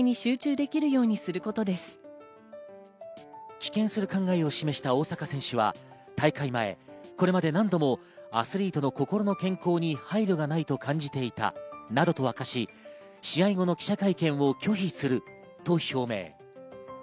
棄権する考えを示した大坂選手は大会前、これまで何度もアスリートの心の健康に配慮がないと感じていたなどと明かし、試合後の記者会見を拒否すると表明。